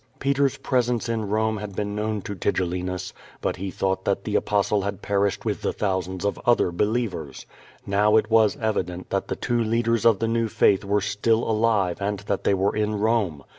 Peter's presence in Rome had been known tc^Tigelli nus, but he thought that the Apostle had perished >mh the thousands of otlier believers. Now it was evident thailthe two leaders of the new faith were still alive and that they \fere in Rome.